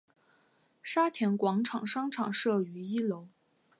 沙田广场商场设于一楼。